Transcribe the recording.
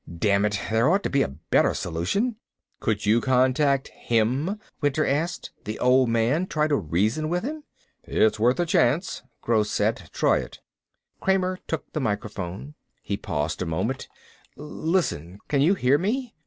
"Damn it, there ought to be a better solution." "Could you contact him?" Winter asked. "The Old Man? Try to reason with him?" "It's worth a chance," Gross said. "Try it." "All right." Kramer took the microphone. He paused a moment. "Listen! Can you hear me?